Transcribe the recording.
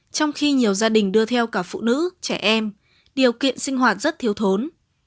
trong khi nhiều gia đình đưa theo cả phụ nữ trẻ em điều kiện sinh hoạt rất thiếu thốn